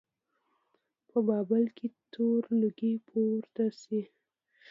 په بابل کې تور لوګی پورته شي.